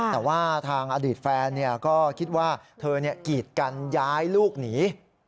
แต่ว่าทางอดีตแฟนก็คิดว่าเธอกีดกันย้ายลูกหนี